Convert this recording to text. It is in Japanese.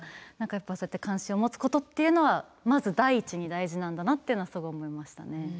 そうやって関心を持つことっていうのはまず第一に大事なんだなっていうのはすごい思いましたね。